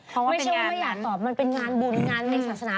เพราะฉันไม่อยากตอบมันเป็นงานบุญมันเป็นงานในศาสนา